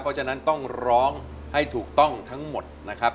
เพราะฉะนั้นต้องร้องให้ถูกต้องทั้งหมดนะครับ